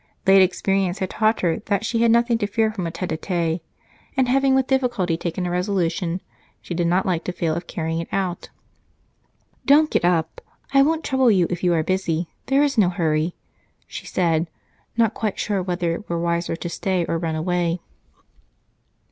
Late experience had taught her that she had nothing to fear from a tete a tete and, having with difficulty taken a resolution, she did not like to fail of carrying it out. "Don't get up, I won't trouble you if you are busy, there is no hurry," she said, not quite sure whether it were wiser to stay or run away.